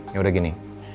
ya udah gini